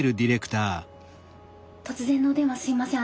突然のお電話すいません。